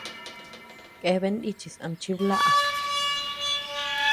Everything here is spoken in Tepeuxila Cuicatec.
Keaben nichis ama chiblaʼa.